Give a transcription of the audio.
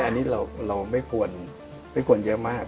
อันนี้เราไม่ควรเยอะมากนะครับ